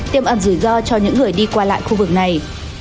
tiêm ẩn rủi ro cho những người đi qua lại khu vực này